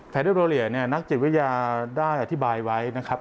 เดอร์โรเลียเนี่ยนักจิตวิทยาได้อธิบายไว้นะครับ